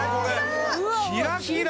キラキラ！